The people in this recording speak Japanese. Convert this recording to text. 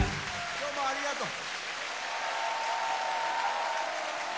どうもありがとう。